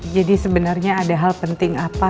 jadi sebenarnya ada hal penting apa